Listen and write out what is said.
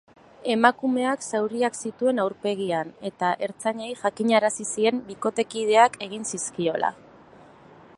Emakumeak zauriak zituen aurpegian eta ertzainei jakinarazi zien bikotekideak egin zizkiola.